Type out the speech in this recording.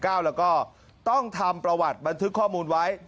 แล้วก็ต้องทำประวัติบันทึกข้อมูลไว้